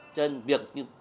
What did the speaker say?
cho nên việc